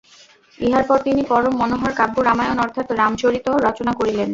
ইহার পর তিনি পরম মনোহর কাব্য রামায়ণ অর্থাৎ রামচরিত রচনা করিলেন।